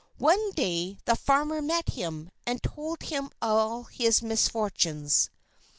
One day the farmer met him, and told him all his misfortunes.